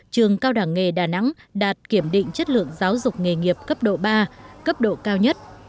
trường cao đẳng nghề đà nẵng đạt kiểm định chất lượng giáo dục nghề nghiệp cấp độ ba cấp độ cao nhất